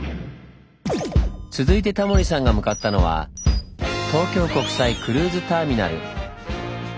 続いてタモリさんが向かったのは東京国際クルーズターミナル。